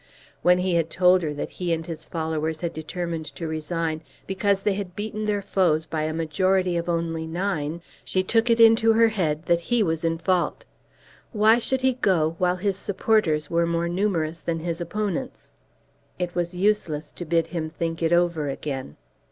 When he had told her that he and his followers had determined to resign because they had beaten their foes by a majority only of nine, she took it into her head that he was in fault. Why should he go while his supporters were more numerous than his opponents? It was useless to bid him think it over again.